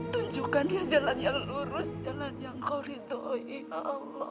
tunjukkan dia jalan yang lurus jalan yang koridori ya allah